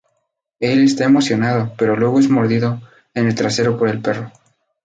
Él está emocionado, pero luego es mordido en el trasero por el perro.